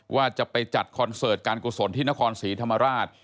ว่าจะไปจัดคอนเสิร์ตการกุศลที่นครศรีธรรมราช